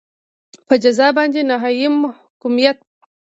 په جزا باندې نهایي محکومیت.